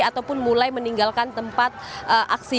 ataupun mulai meninggalkan tempat aksi